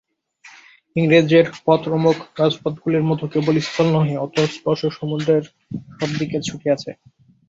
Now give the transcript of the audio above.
ইংরেজের পথ রোমক রাজপথগুলির মত কেবল স্থলে নহে, অতলস্পর্শ সমুদ্রের সব দিকে ছুটিয়াছে।